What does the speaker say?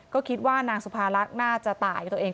ก็คิดว่านางสุภารักษ์น่าจะตายตัวเอง